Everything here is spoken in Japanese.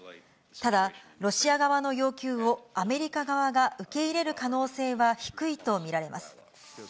ただ、ロシア側の要求をアメリカ側が受け入れる可能性は低いと見られます。